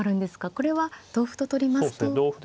これは同歩と取りますと。